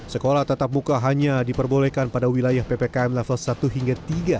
sekolah tetap buka hanya diperbolehkan pada wilayah ppkm level satu hingga tiga